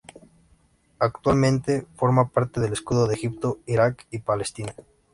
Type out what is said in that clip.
Actualmente forma parte del escudo de Egipto, Irak y Palestina.